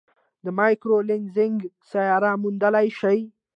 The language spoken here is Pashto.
د مایکرو لینزینګ سیارې موندلای شي.